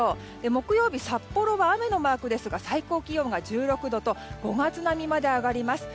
木曜日、札幌は雨のマークですが最高気温が１６度と５月並みまで上がります。